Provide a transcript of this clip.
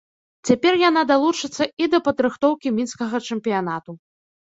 Цяпер яна далучыцца і да падрыхтоўкі мінскага чэмпіянату.